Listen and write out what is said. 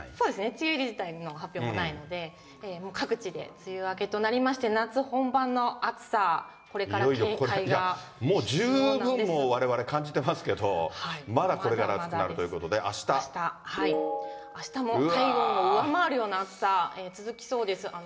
梅雨自体の発表もないので、もう各地で梅雨明けとなりまして、夏本番の暑さ、もう十分、われわれ感じてますけど、まだこれから暑くなるということで、あしたも体温を上回るような暑さ、続きそうです。